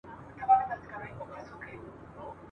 کارګه وویل خبره دي منمه ,